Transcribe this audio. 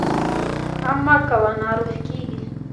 غم مه کوه ، ناروغ کېږې!